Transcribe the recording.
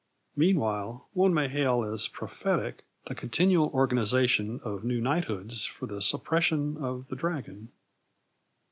Meanwhile, one may hail as prophetic the continual organisation of new knighthoods for the Suppression of the Dragon.